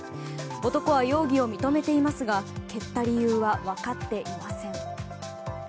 男は容疑を認めていますが蹴った理由は分かっていません。